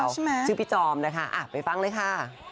นี่แฟนเขาใช่ไหมชื่อพี่จอมไปฟังเลยค่ะ